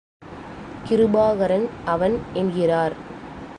கிருபாகரன் அவன் என்கிறார்.